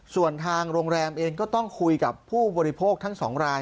ส่วนทางโรงแรมเองก็ต้องคุยกับผู้บริโภคทั้ง๒ราย